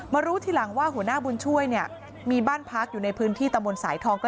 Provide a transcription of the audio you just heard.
รู้ทีหลังว่าหัวหน้าบุญช่วยเนี่ยมีบ้านพักอยู่ในพื้นที่ตำบลสายทอง